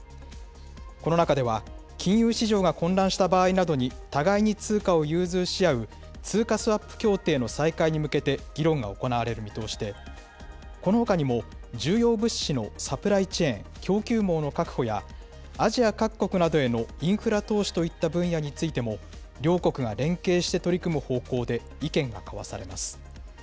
この中では、金融市場が混乱した場合などに互いに通貨を融通し合う通貨スワップ協定の再開に向けて議論が行われる見通しで、このほかにも、重要物資のサプライチェーン・供給網の確保やアジア各国などへのインフラ投資といった分野についても、両国が連携して取り組む方向で意見が交わされます。